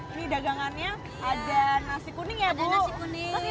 ini dagangannya ada nasi kuning ya bu